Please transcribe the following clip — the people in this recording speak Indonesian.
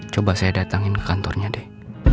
coba saya datangin ke kantornya deh